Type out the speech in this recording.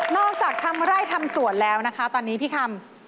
อกจากทำไร่ทำสวนแล้วนะคะตอนนี้พี่คำ